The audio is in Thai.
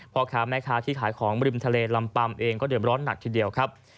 พ่อค้าแม่ค้าที่ขายของริมทะเลลำปัมเองก็เดิมร้อนหนักทีเดียวครับ